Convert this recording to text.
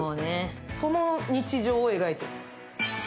その日常を描いてる。